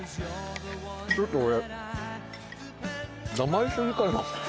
ちょっと俺。